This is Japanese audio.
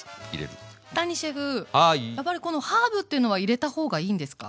やっぱりこのハーブというのは入れた方がいいんですか？